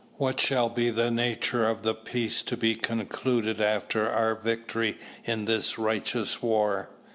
What shall be the nature of the peace to be concluded after our victory in this righteous war?